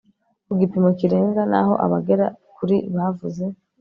ku gipimo kirenga naho abagera kuri bavuze